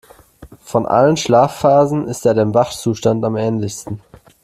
Von allen Schlafphasen ist er dem Wachzustand am ähnlichsten.